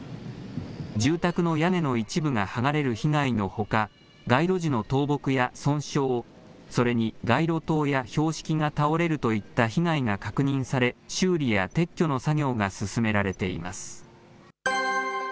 住宅の屋根の一部が剥がれる被害のほか、街路樹の倒木や損傷、それに街路灯や標識が倒れるといった被害が確認され、修理や撤去の作業が進められています。